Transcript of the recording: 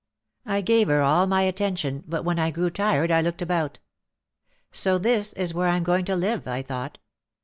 I gave her all my attention but when I grew tired I looked about. So this is where I am going to live, I thought.